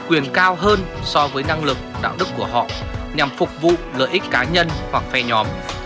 quyền cao hơn so với năng lực đạo đức của họ nhằm phục vụ lợi ích cá nhân hoặc phe nhóm